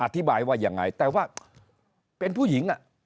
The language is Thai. อธิบายว่ายังไงแต่ว่าเป็นผู้หญิง